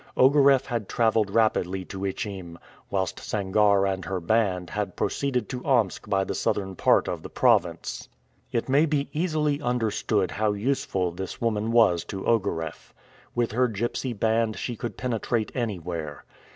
Ogareff had traveled rapidly to Ichim, whilst Sangarre and her band had proceeded to Omsk by the southern part of the province. It may be easily understood how useful this woman was to Ogareff. With her gypsy band she could penetrate anywhere.